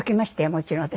もちろん私。